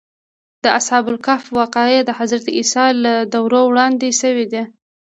د اصحاب کهف واقعه د حضرت عیسی له دور وړاندې شوې ده.